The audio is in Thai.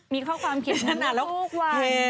มีข้อความเขตในนู่นนี่